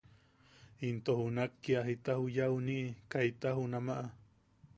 Junak into kia jita juya juniʼi kaita junamaʼa.